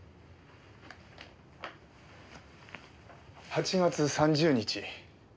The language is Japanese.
８月３０日。